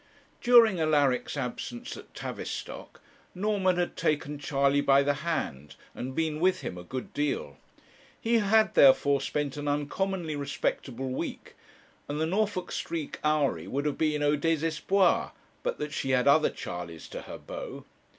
During Alaric's absence at Tavistock, Norman had taken Charley by the hand and been with him a good deal. He had therefore spent an uncommonly respectable week, and the Norfolk Street houri would have been au désespoir, but that she had other Charleys to her bow.